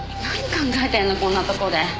何考えてんのこんなとこで。